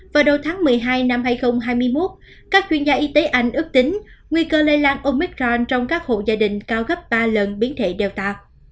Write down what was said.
vào đầu tháng một mươi hai năm hai nghìn hai mươi một các chuyên gia y tế anh ước tính nguy cơ lây lan omicron trong các hộ gia đình cao gấp ba lần biến thể data